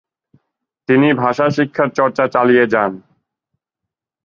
তিনি ভাষা শিক্ষার চর্চা চালিয়ে যান।